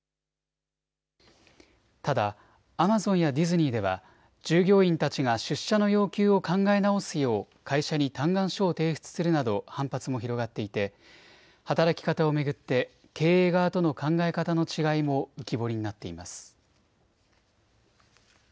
ただアマゾンやディズニーでは従業員たちが出社の要求を考え直すよう会社に嘆願書を提出するなど反発も広がっていて働き方を巡って経営側との考え方の違いも浮き彫りになっています。